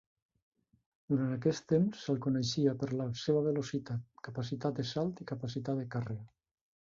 Durant aquest temps, se'ls coneixia per la seva velocitat, capacitat de salt i capacitat de càrrega.